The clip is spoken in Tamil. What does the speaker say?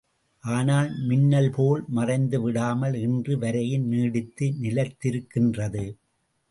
ஆனால், மின்னல் போல் மறைந்து விடாமல் இன்று வரையும் நீடித்து நிலைத்திருக்கின்றது.